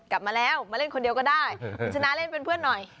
กลับมาแล้วมาเล่นคนเดียวก็ได้คุณชนะเล่นเป็นเพื่อนหน่อย